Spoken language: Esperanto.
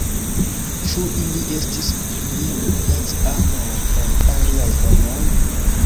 Ĉu ili estis pli pac-amaj ol aliaj homoj?